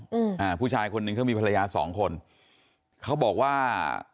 อืมอ่าผู้ชายคนหนึ่งเขามีภรรยาสองคนเขาบอกว่า